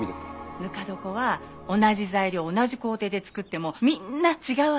ぬか床は同じ材料同じ工程で作ってもみんな違う味になるから。